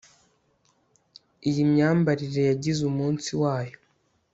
Iyi myambarire yagize umunsi wayo